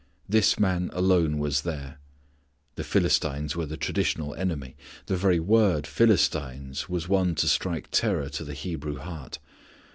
This man alone was there. The Philistines were the traditional enemy. The very word "Philistines" was one to strike terror to the Hebrew heart.